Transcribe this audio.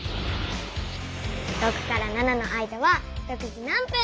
６から７の間は６時何分。